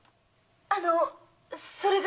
あのそれが。